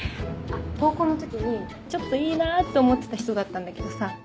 高校の時にちょっといいなって思ってた人だったんだけどさ。